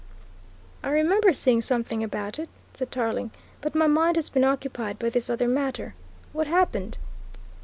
"I remember seeing something about it," said Tarling, "but my mind has been occupied by this other matter. What happened?"